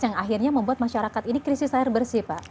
yang akhirnya membuat masyarakat ini krisis air bersih pak